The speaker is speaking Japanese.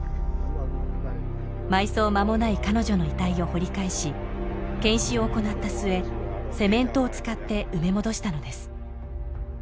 埋葬間もない彼女の遺体を掘り返し検視を行った末セメントを使って埋め戻したのです